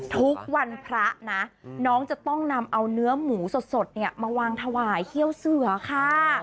ทุกวันพระนะน้องจะต้องนำเอาเนื้อหมูสดมาวางถวายเขี้ยวเสือค่ะ